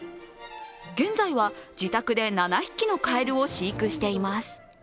現在は自宅で７匹のかえるを飼育しています。